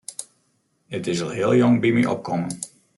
It is al heel jong by my opkommen.